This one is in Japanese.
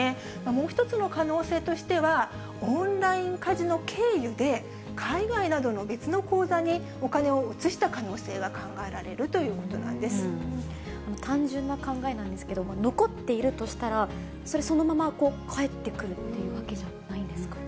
もう一つの可能性としては、オンラインカジノ経由で海外などの別の口座にお金を移した可能性単純な考えなんですけども、残っているとしたら、それ、そのまま返ってくるっていうわけじゃないんですかね。